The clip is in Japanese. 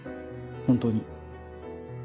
本当に。